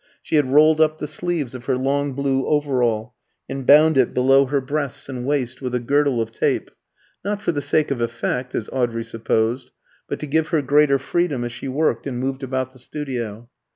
She had rolled up the sleeves of her long blue overall, and bound it below her breasts and waist with a girdle of tape not for the sake of effect, as Audrey supposed, but to give her greater freedom as she worked and moved about the studio.